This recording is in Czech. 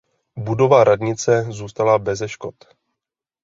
Budova radnice zůstala beze škod.